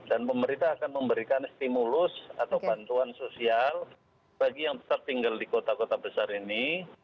dan pemerintah akan memberikan stimulus atau bantuan sosial bagi yang tetap tinggal di kota kota besar ini